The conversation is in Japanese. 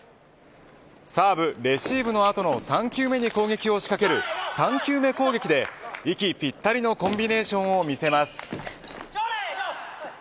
サーブ、レシーブの後の３球目に攻撃を仕掛ける３球目攻撃で息ぴったりのコンビネーションを見せます。